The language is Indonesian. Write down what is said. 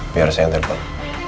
biar saya yang telfon